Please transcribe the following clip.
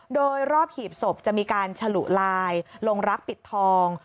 โดยรอบหีบศพจะมีการฉลุลายลงรักปิดทอง